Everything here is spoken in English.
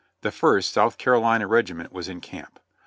The First vSouth Carolina Regiment was in camp.